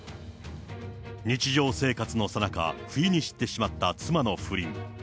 日常生活のさなか、不意に知ってしまった妻の不倫。